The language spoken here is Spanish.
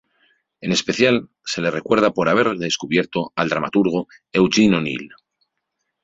En especial, se la recuerda por haber haber descubierto al dramaturgo Eugene O'Neill.